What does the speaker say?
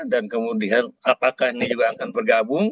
kemudian apakah ini juga akan bergabung